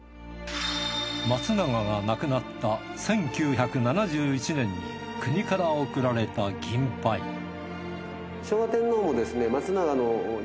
松永が亡くなった１９７１年に国から贈られた銀杯え！